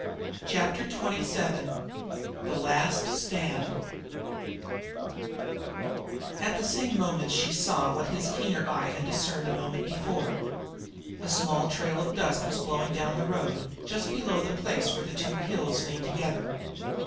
Chapter Twenty seven The Last Stand At the same instant she saw what his keener eye had discerned the moment before. A small trail of dust was blowing down the road, just below the place where the two hills leaned together.